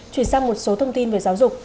chuyển sang một số thông tin về giáo dục